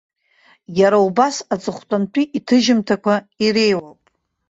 Иара убас, аҵыхәтәантәи иҭыжьымҭақәа иреиуоуп.